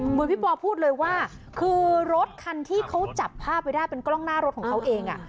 เหมือนพี่ปอพูดเลยว่าคือรถคันที่เขาจับภาพไว้ได้เป็นกล้องหน้ารถของเขาเอง